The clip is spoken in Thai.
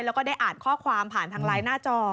แล้วก็ได้อ่านข้อความผ่านทางไลน์หน้าจอ